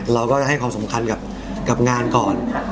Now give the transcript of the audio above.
เราก็จะให้ความสำคัญกับงานก่อน